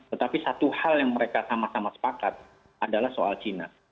tetapi satu hal yang mereka sama sama sepakat adalah soal cina